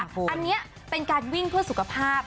อันนี้เป็นการวิ่งเพื่อสุขภาพ